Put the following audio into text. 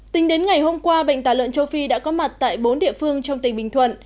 tính đến ngày hôm qua bệnh tả lợn châu phi đã có mặt tại bốn địa phương trong tỉnh bình thuận